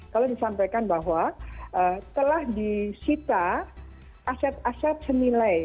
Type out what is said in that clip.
kalau disampaikan bahwa telah disita aset aset senilai